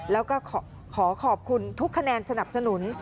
แล้วก็ขอขอบคุณทุกคะแนนสนับสนุน